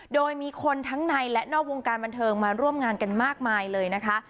โดยมีคนทั้งในและนอกวงการบันเทิงมาร่วมงานกันมากมายเลยนะคะ